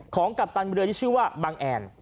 กัปตันเรือที่ชื่อว่าบังแอน